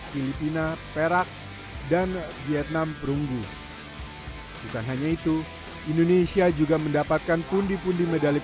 filipina perak dan vietnam perunggu bukan hanya itu indonesia juga mendapatkan pundi pundi medali